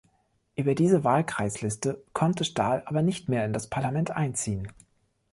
Über diese Wahlkreisliste konnte Stahl aber nicht mehr in das Parlament einziehen.